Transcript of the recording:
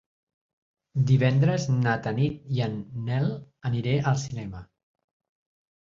Divendres na Tanit i en Nel aniré al cinema.